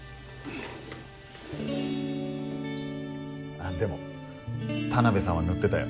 あっでも田辺さんは塗ってたよ。